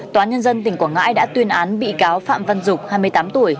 tòa nhân dân tỉnh quảng ngãi đã tuyên án bị cáo phạm văn dục hai mươi tám tuổi